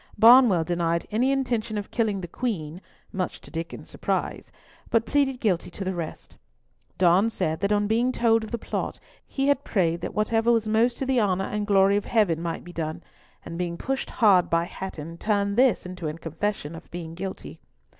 Barnwell denied any intention of killing the Queen (much to Diccon's surprise), but pleaded guilty to the rest. Donne said that on being told of the plot he had prayed that whatever was most to the honour and glory of Heaven might be done, and being pushed hard by Hatton, turned this into a confession of being guilty.